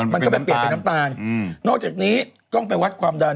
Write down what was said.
มันก็ไปเปลี่ยนเป็นน้ำตาลนอกจากนี้ต้องไปวัดความดัน